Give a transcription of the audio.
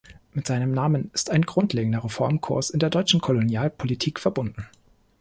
Mit seinem Namen ist ein grundlegender Reformkurs in der deutschen Kolonialpolitik verbunden.